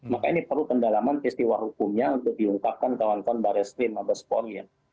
maka ini perlu kendalaman festival hukumnya untuk diungkapkan ke orang orang baris stream atau sepon